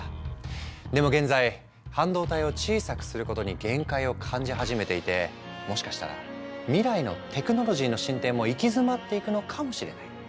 でも現在半導体を小さくすることに限界を感じ始めていてもしかしたら未来のテクノロジーの進展も行き詰まっていくのかもしれない。